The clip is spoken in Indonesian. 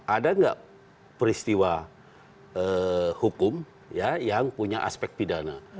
ada nggak peristiwa hukum yang punya aspek pidana